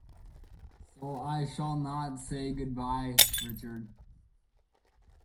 So I shall not say good-bye, Richard.